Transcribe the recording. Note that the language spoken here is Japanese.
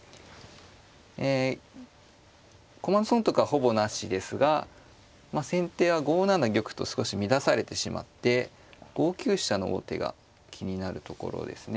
え駒の損得はほぼなしですが先手は５七玉と少し乱されてしまって５九飛車の王手が気になるところですね。